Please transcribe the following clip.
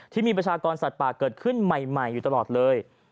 ที่มีประชากรสัตว์ป่าเกิดขึ้นใหม่อยู่ตลอดเลย